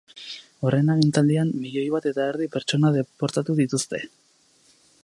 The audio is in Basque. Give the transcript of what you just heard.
Horren agintaldian, milioi bat eta erdi pertsona deportatu dituzte.